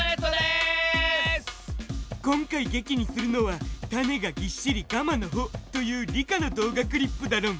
今回劇にするのは「種がぎっしりガマの穂」という理科の動画クリップだろん！